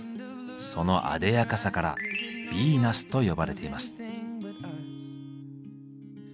そのあでやかさから「ヴィーナス」と呼ばれています。